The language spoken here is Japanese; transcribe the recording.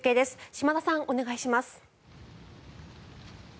島田さん、お願いします。